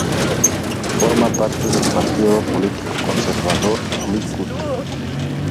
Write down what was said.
Forma parte del partido político conservador Likud.